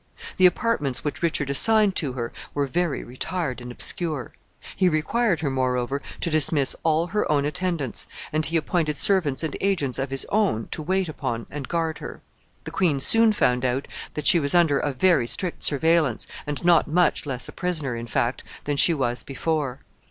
The apartments which Richard assigned to her were very retired and obscure. He required her, moreover, to dismiss all her own attendants, and he appointed servants and agents of his own to wait upon and guard her. The queen soon found that she was under a very strict surveillance, and not much less a prisoner, in fact, than she was before.